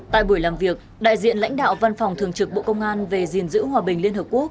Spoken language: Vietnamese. tại buổi làm việc đại diện lãnh đạo văn phòng thường trực bộ công an về diện giữ hòa bình liên hợp quốc